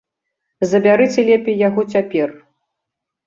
Забярыце лепей яго цяпер!